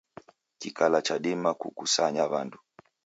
Kikala chadima kukusanya w'andu.